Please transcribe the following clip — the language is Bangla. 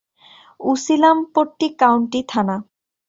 উসিলামপট্টি কাউন্টি থানা।